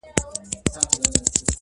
نشه لري مستي لري په عیبو کي یې نه یم.